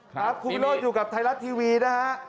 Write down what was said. ครับคุณวิโรธอยู่กับไทยรัฐทีวีนะฮะ